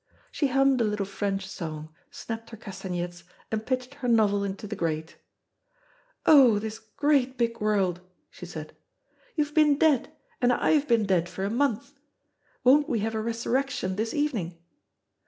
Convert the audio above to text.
She hummed a little French song, snapped her castanets, and pitched her novel into the grate. "Oh, this great big world," she said, "you've been dead, and I've been dead for a month. Won't we have a resurrection this evening!